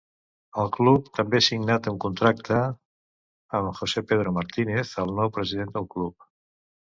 El club també signat un contracte amb José Pedro Martínez, el nou president del club.